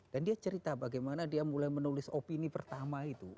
dan dia cerita bagaimana dia mulai menulis opini pertama itu